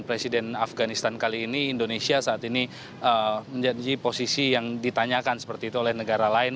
presiden afganistan kali ini indonesia saat ini menjadi posisi yang ditanyakan seperti itu oleh negara lain